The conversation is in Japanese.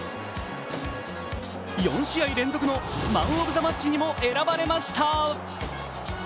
４試合連続のマンオブザマッチにも選ばれました。